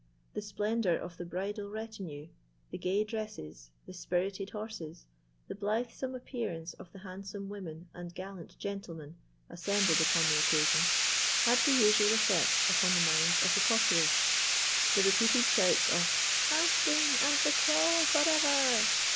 The splendour of the bridal retinue, the gay dresses, the spirited horses, the blythesome appearance of the handsome women and gallant gentlemen assembled upon the occasion, had the usual effect upon the minds of the populace. The repeated shouts of "Ashton and Bucklaw for ever!"